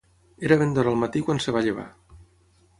Era ben d'hora al matí quan es va llevar.